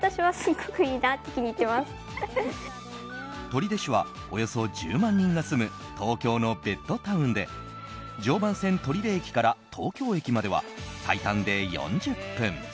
取手市はおよそ１０万人が住む東京のベッドタウンで常磐線取手駅から東京駅までは最短で４０分。